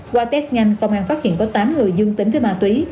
qua test nhanh công an phát hiện có tám người dương tính với ma túy